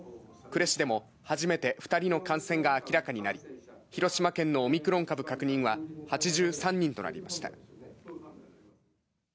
呉市でも初めて２人の感染が明らかになり広島県のオミクロン株確認は８３人となりました。